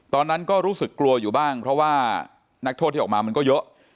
ตอนนั้นก็รู้สึกกลัวอยู่บ้างเพราะว่านักโทษที่ออกมามันก็เยอะ